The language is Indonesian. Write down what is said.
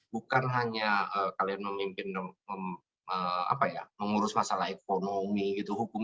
bukan hanya kalian memimpin mengurus masalah ekonomi gitu hukum